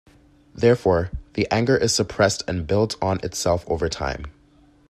Therefore, the anger is suppressed and builds on itself over time.